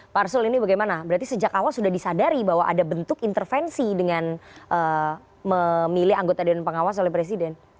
pak arsul ini bagaimana berarti sejak awal sudah disadari bahwa ada bentuk intervensi dengan memilih anggota dewan pengawas oleh presiden